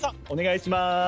お願いします。